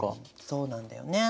そうなんだよね。